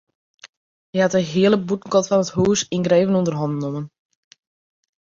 Hy hat de hiele bûtenkant fan it hús yngreven ûnder hannen nommen.